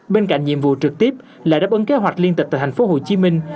bên cạnh nhiệm vụ trực tiếp là đáp ứng kế hoạch liên tịch tại thành phố hồ chí minh